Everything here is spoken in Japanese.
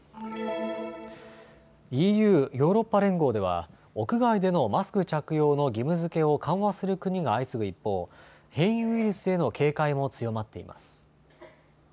ＥＵ・ヨーロッパ連合では屋外でのマスク着用の義務づけを緩和する国が相次ぐ一方、変異ウイルスへの警戒も強まっています。